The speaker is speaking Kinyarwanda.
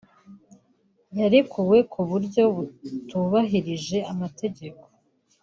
yarekuwe ku buryo butubahirije amategeko